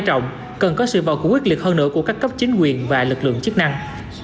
trọng cần có sự vào cuộc quyết liệt hơn nữa của các cấp chính quyền và lực lượng chức năng